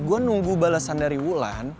gue nunggu balesan dari bulan